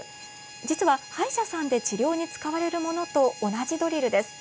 実は、歯医者さんで治療に使われるものと同じドリルです。